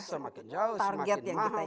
semakin jauh semakin mahal